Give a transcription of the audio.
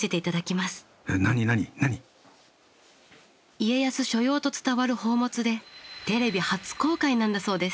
家康所用と伝わる宝物でテレビ初公開なんだそうです。